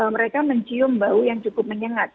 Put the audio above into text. mereka mencium bau yang cukup menyengat